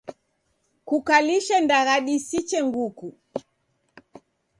Kukalishe ndagha disiche nguku.